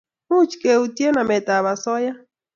much keutye namet ab asoya